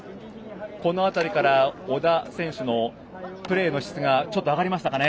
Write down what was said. この辺りから小田選手のプレーの質がちょっと上がりましたかね。